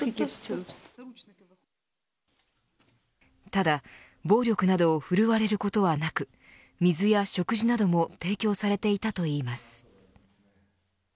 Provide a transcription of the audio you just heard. ただ、暴力などを振るわれることはなく水や食事なども提供されていたといいます。